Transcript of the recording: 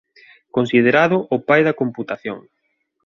Considerado o pai da computación.